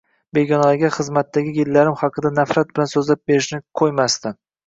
Begonalarga xizmatdagi yillarim haqida nafrat bilan so`zlab berishni qo`ymasdi